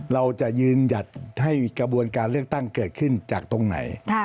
เราจะยืนหยัดให้กระบวนการเลือกตั้งเกิดขึ้นจากตรงไหน